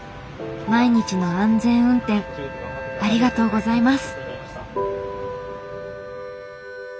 毎日の安全運転ありがとうございます。